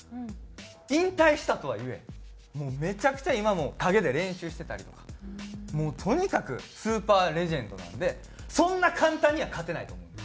引退したとはいえもうめちゃくちゃ今も陰で練習してたりとかもうとにかくスーパーレジェンドなのでそんな簡単には勝てないとは思うんです。